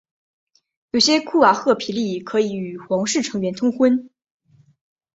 有些库瓦赫皮利可以与皇室成员通婚。